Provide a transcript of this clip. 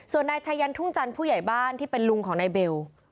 ส่วนนายชายันทุ่งจันทร์ผู้ใหญ่บ้านที่เป็นลุงของนายเบล